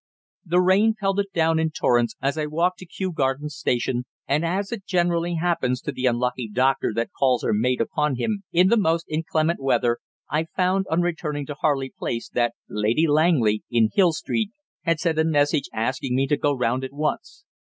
The rain pelted down in torrents as I walked to Kew Gardens Station, and as it generally happens to the unlucky doctor that calls are made upon him in the most inclement weather, I found, on returning to Harley Place, that Lady Langley, in Hill Street, had sent a message asking me to go round at once.